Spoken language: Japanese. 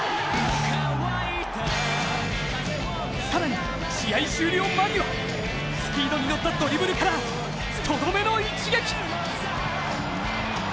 更に試合終了間際、スピードに乗ったドリブルからとどめの一撃！